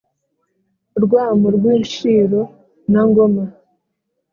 Rwamu rw’ Inshiro na Ngoma